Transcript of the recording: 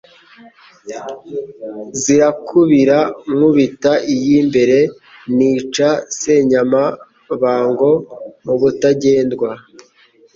zirakubira nku bita iy'imbere, nica Senyamabango mu Butagendwa